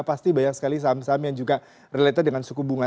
pasti banyak sekali saham saham yang juga related dengan suku bunga